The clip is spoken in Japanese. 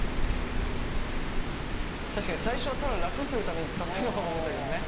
確かに最初はただ楽するために使ってんのかと思ったけどね。